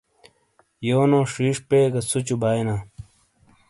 یونو شیش پے گہ سُوچُو باٸینا ۔